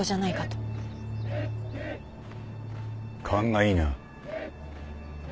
勘がいいな。